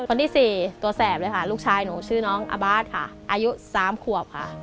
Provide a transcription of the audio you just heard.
คนที่สี่ตัวแสบเลยค่ะลูกชายหนูชื่อน้องอาบาทค่ะอายุ๓ขวบค่ะ